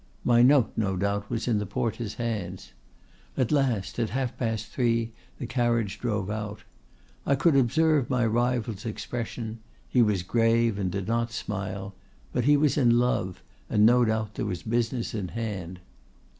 My note no doubt was in the porter's hands. At last, at half past three, the carriage drove out. I could observe my rival's expression; he was grave, and did not smile; but he was in love, and no doubt there was business in hand.